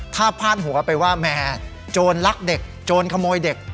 ถ้าพาดหัวไปว่าแหมโจรรักเด็กโจรขโมยเด็ก